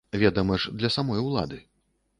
Ведама ж, для самой ўлады.